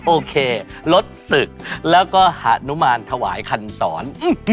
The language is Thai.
โอเคลดศึกแล้วก็หานุมานถวายคันสอน